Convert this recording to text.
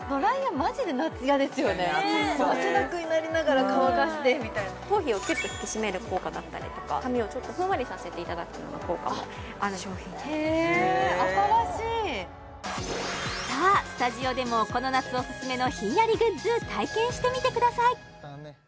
汗だくになりながら乾かしてみたいな頭皮をキュッと引き締める効果だったりとか髪をふんわりさせていただくような効果もある商品へえ新しいさあスタジオでもこの夏おすすめのひんやりグッズ体験してみてください！